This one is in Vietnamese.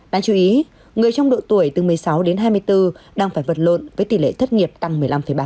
đáng chú ý người trong độ tuổi từ một mươi sáu đến hai mươi bốn đang phải vật lộn với tỷ lệ thất nghiệp tăng một mươi năm ba